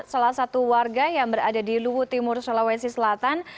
salah satu warga yang berada di luwu timur sulawesi selatan